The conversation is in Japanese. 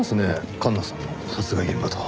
環那さんの殺害現場と。